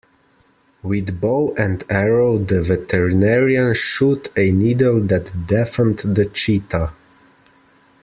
With bow and arrow the veterinarian shot a needle that deafened the cheetah.